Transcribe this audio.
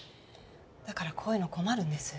だからこういうの困るんです。